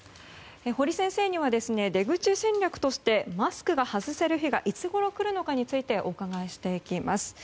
堀先生には出口戦略としてマスクが外せる日がいつごろ来るのかについてお伺いしていきます。